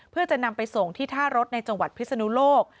เพื่อจะนำไปส่งที่ท่ารถในจังหวัดพิศนุโลก